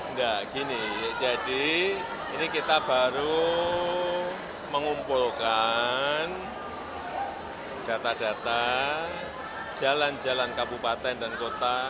enggak gini jadi ini kita baru mengumpulkan data data jalan jalan kabupaten dan kota